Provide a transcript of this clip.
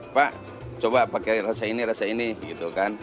pak coba pakai rasa ini rasa ini gitu kan